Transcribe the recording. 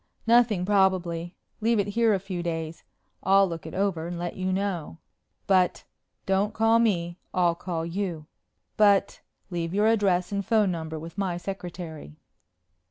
"Nothing probably. Leave it here a few days. I'll look it over and let you know." "But " "And don't call me I'll call you." "But " "Leave your address and phone number with my secretary."